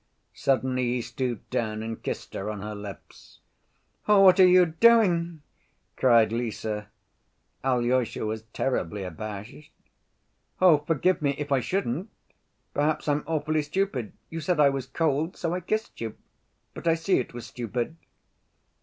Suddenly he stooped down and kissed her on her lips. "Oh, what are you doing?" cried Lise. Alyosha was terribly abashed. "Oh, forgive me if I shouldn't.... Perhaps I'm awfully stupid.... You said I was cold, so I kissed you.... But I see it was stupid."